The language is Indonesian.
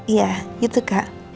iya gitu kak